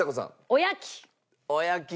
おやき。